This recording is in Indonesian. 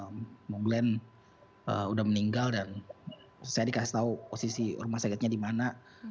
mbak glenn udah meninggal dan saya dikasih tahu posisi rumah sakitnya dimana